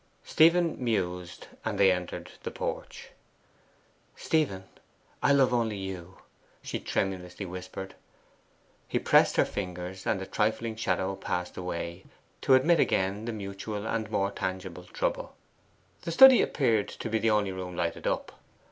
Stephen mused, and they entered the porch. 'Stephen, I love only you,' she tremulously whispered. He pressed her fingers, and the trifling shadow passed away, to admit again the mutual and more tangible trouble. The study appeared to be the only room lighted up.